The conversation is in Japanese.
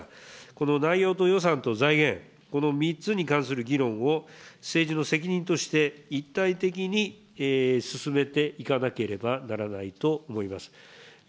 この内容と予算と財源、この３つに関する議論を、政治の責任として一体的に進めていかなければならないと思います。